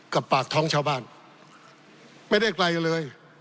ปากท้องชาวบ้านไม่ได้ไกลเลย